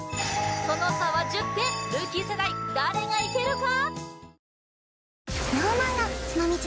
その差は１０点ルーキー世代誰がいけるか？